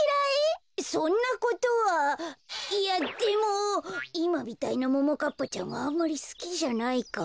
そんなことはいやでもいまみたいなももかっぱちゃんはあんまりすきじゃないかも。